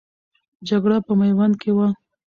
جګړه په میوند کې وه.